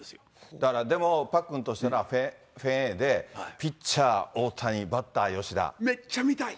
だからでも、パックンとしてはフェンウエイで、ピッチャー、大谷、めっちゃ見たい。